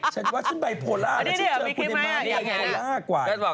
ฉันว่าชนไบโพล่าหรือชนเจอคุณได้มากกว่า